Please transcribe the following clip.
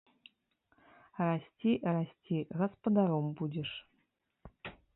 Расці, расці, гаспадаром будзеш.